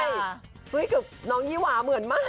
เฮ้ยเกือบน้องยี่หว่าเหมือนมาก